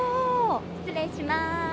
失礼します。